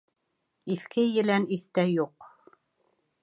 Иҫке елән иҫтә юҡ.